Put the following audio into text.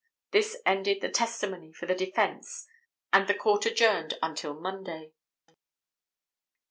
This ended the testimony for the defense and the court adjourned until Monday.